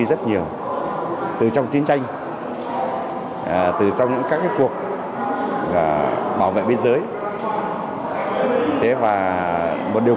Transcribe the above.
với cái sắc màu